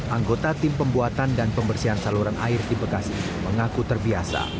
anggota tim pembuatan dan pembersihan saluran air di bekasi mengaku terbiasa